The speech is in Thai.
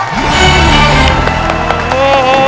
เย้